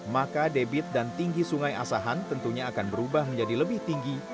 maka debit dan tinggi sungai asahan tentunya akan berubah menjadi lebih tinggi